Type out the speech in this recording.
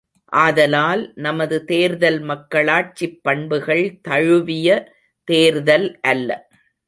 ஆதலால், நமது தேர்தல் மக்களாட்சிப் பண்புகள் தழுவிய தேர்தல் அல்ல.